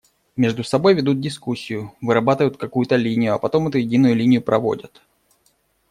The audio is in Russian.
Между собой ведут дискуссию, вырабатывают какую-то линию, а потом эту единую линию проводят.